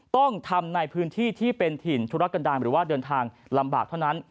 ต้องทำในพื้นที่ที่เป็นถิ่นธุรกันดาลหรือว่าเดินทางลำบากเท่านั้น